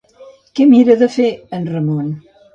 Què mira de fer en Ramon?